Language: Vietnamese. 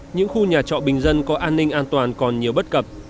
những khu nhà trọ bình dân có an ninh an toàn còn nhiều bất cập